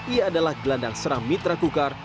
ia adalah gelandang seram mitra kukar